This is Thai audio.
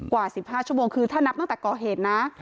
กว่า๑๕ชั่วโมงคือถ้านับตั้งแต่ก่อเหตุนะ